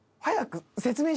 早く。